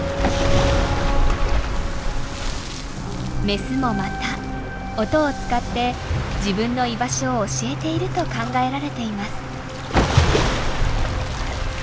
メスもまた音を使って自分の居場所を教えていると考えられています。